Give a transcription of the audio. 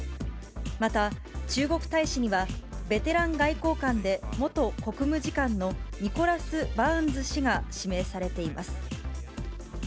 また、中国大使には、ベテラン外交官で元国務次官のニコラス・バーンズ氏が指名されています。